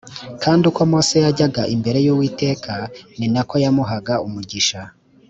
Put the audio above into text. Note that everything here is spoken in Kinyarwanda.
kandi uko mose yajyaga imbere y ‘uwiteka ninako yamuhaga umugisha.